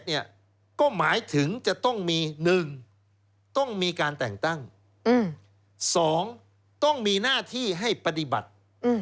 ก็หมายถึงจะต้องมี๑ต้องมีการแต่งตั้ง๒ต้องมีหน้าที่ให้ปฏิบัติ